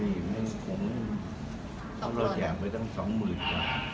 ไม่มีมันต้องต้องโดดอย่างไว้ตั้ง๒๐๐๐๐กว่า